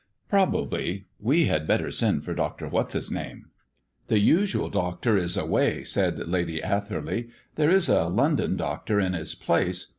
"Probably. We had better send for Doctor What's his name." "The usual doctor is away," said Lady Atherley. "There is a London doctor in his place.